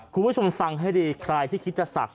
คุณผู้ชมฟังให้ดีใครที่คิดจะศักดิ